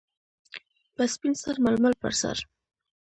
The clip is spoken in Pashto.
- په سپین سر ململ پر سر.